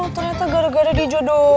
ternyata gara gara dijodoh